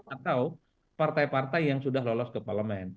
atau partai partai yang sudah lolos ke parlemen